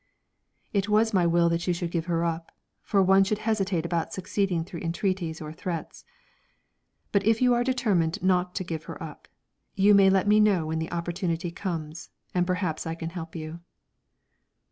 "It was my will that you should give her up, for one should hesitate about succeeding through entreaties or threats. But if you are determined not to give her up, you may let me know when the opportunity comes, and perhaps I can help you."